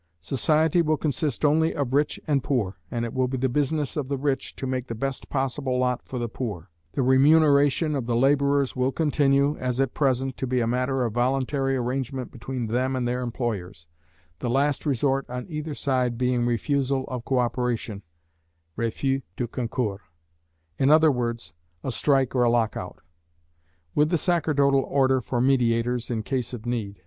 Society will consist only of rich and poor, and it will be the business of the rich to make the best possible lot for the poor. The remuneration of the labourers will continue, as at present, to be a matter of voluntary arrangement between them and their employers, the last resort on either side being refusal of co operation, "refus de concours," in other words, a strike or a lock out; with the sacerdotal order for mediators in case of need.